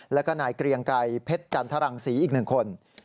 แล้วก็นายเกรียงไกรเพชรจันทรังศรีอีก๑คน